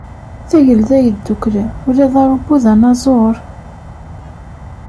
Tagelda Yeddukklen, ula d arubu d anaẓur?